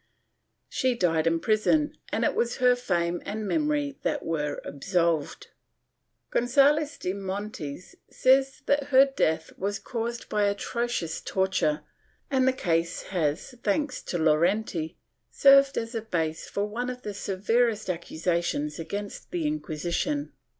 She died in prison and it was her fame and memory that were absolved. Gonzalez de Montes says that her death was caused by atrocious torture and the case has, thanks to Llorente, served as a base for one of the severest accusations against the Inquisition.